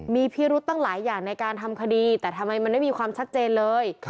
มีพิรุธตั้งหลายอย่างในการทำคดีแต่ทำไมมันไม่มีความชัดเจนเลย